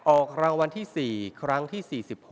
ออกรางวัลที่๔ครั้งที่๔๖